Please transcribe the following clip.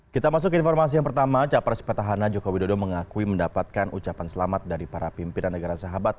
kita masuk ke informasi yang pertama capres petahana jokowi dodo mengakui mendapatkan ucapan selamat dari para pimpinan negara sahabat